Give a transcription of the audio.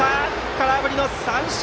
空振りの三振！